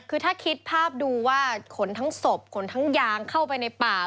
คือถ้าคิดภาพดูว่าขนทั้งศพขนทั้งยางเข้าไปในป่า